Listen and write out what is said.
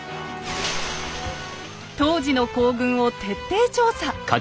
当時の行軍を徹底調査。